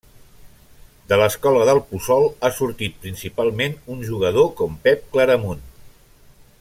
De l'escola del Puçol ha sorgit principalment un jugador com Pep Claramunt.